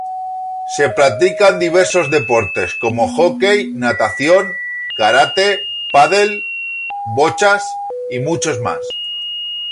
Se practican diversos deportes como hockey, natación, karate, paddle, bochas y muchos más.